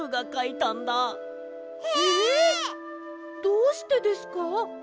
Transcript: どうしてですか？